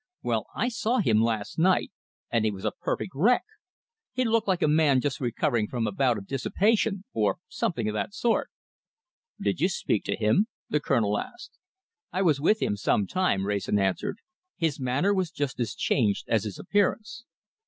Well, I saw him last night, and he was a perfect wreck. He looked like a man just recovering from a bout of dissipation, or something of the sort." "Did you speak to him?" the Colonel asked. "I was with him some time," Wrayson answered. "His manner was just as changed as his appearance."